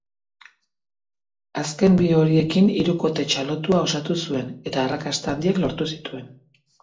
Azken bi horiekin hirukote txalotua osatu zuen, eta arrakasta handiak lortu zituen.